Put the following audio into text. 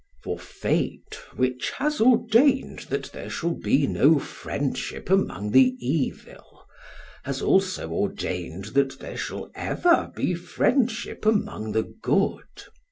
For fate which has ordained that there shall be no friendship among the evil has also ordained that there shall ever be friendship among the good.